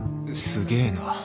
すげえな